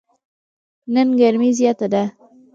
نن ګرمي زیاته ده.